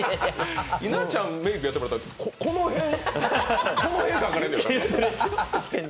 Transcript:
稲ちゃんメイクやってもらったらこの辺、描かれるんやないか。